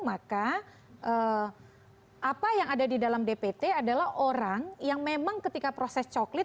maka apa yang ada di dalam dpt adalah orang yang memang ketika proses coklit